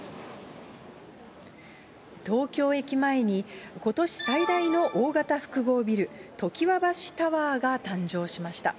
東京駅前に、ことし最大の大型複合ビル、常盤橋タワーが誕生しました。